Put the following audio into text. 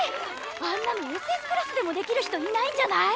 あんなのＳＳクラスでもできる人いないんじゃない？